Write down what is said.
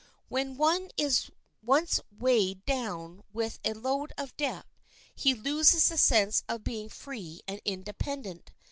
When one is once weighed down with a load of debt he loses the sense of being free and independent.